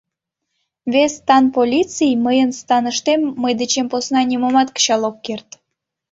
Вес стан полиций мыйын станыштем мый дечем посна нимомат кычалын ок керт.